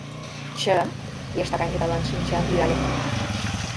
— Чын? — йыштак Аниталан шинчам пӱяле.